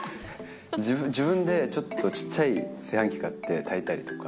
自分でちょっとちっちゃい炊飯器買って、炊いたりとか。